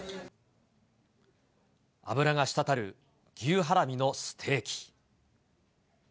脂がしたたる、牛ハラミのステーキ。